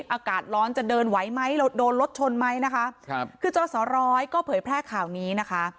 อากาศร้อนจะเดินไว้ไหมโดนรถชนไหมคือเจ้าสร้อยก็เผยแพร่ข่าวนี้นะคะ